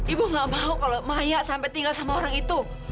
ibu gak mau kalau maya sampai tinggal sama orang itu